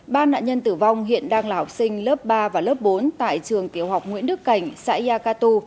ba nạn nhân tử vong hiện đang là học sinh lớp ba và lớp bốn tại trường tiểu học nguyễn đức cảnh xã yacatu